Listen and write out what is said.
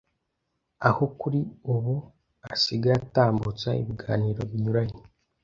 aho kuri ubu asigaye atambutsa ibiganiro binyuranye